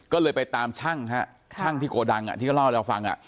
ก็เลยไปตามช่างฮะช่างที่โกดังที่เขาเล่าให้เราฟัง